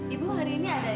ibu hari ini ada ya